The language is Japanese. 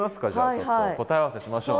ちょっと答え合わせしましょう。